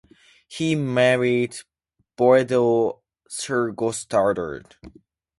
He married Boedil Thurgotsdatter.